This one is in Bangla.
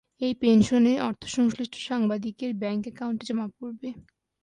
এই পেনশনের অর্থ সংশ্লিষ্ট সাংবাদিকের ব্যাংক অ্যাকাউন্টে জমা পড়বে।